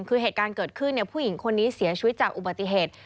คือเหตุการณ์เกิดขึ้นผู้หญิงคนนี้เสียชีวิตจากอุบัติเหตุ